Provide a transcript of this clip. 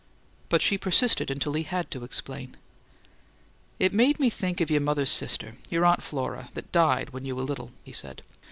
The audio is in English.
But she persisted until he had to explain. "It made me think of your mother's sister, your Aunt Flora, that died when you were little," he said.